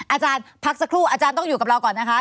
อาจารย์พักสักครู่อาจารย์ต้องอยู่กับเราก่อนนะคะ